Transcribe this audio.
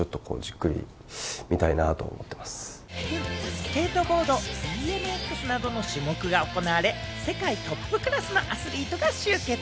スケートボード、ＢＭＸなどの種目が行われ、世界トップクラスのアスリートが集結。